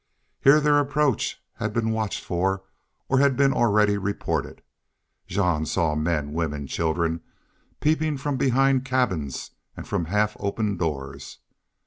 Here their approach bad been watched for or had been already reported. Jean saw men, women, children peeping from behind cabins and from half opened doors.